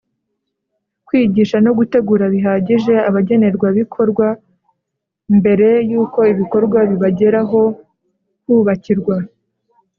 Kwigisha no gutegura bihagije abagenerwabikorwa mbere y uko ibikorwa bibageraho kubakirwa